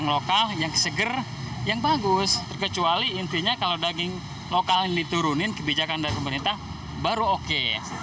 lokal yang diturunin kebijakan dari pemerintah baru oke